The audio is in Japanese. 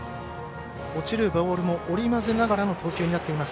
落ちるボールも織り交ぜながらの投球になっています。